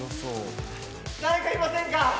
誰か、いませんか？